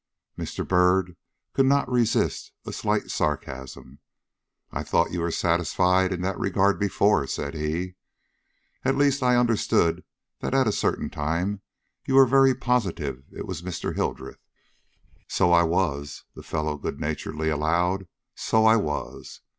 Mr. Byrd could not resist a slight sarcasm. "I thought you were satisfied in that regard before?" said he. "At least, I understood that at a certain time you were very positive it was Mr. Hildreth." "So I was," the fellow good naturedly allowed; "so I was.